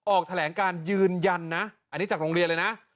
ออกแถลงการยืนยันนะอันนี้จากโรงเรียนเลยนะ